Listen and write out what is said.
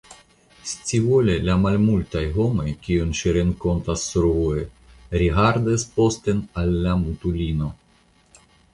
Scivole la malmultaj homoj, kiujn ŝi renkontas survoje, rigardas posten al la mutulino.